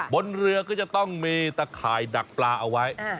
บนเรือก็จะต้องมีตะข่ายดักปลาเอาไว้